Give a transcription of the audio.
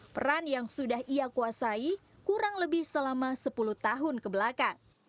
peran yang sudah ia kuasai kurang lebih selama sepuluh tahun kebelakang